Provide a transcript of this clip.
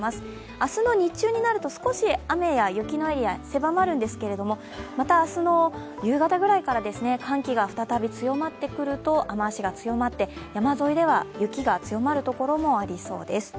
明日の日中になると、少し雨や雪のエリア、狭まるんですけれども、また明日の夕方ぐらいから寒気が再び強まってくると雨脚が強まって山沿いでは雪が強まるところもありそうです。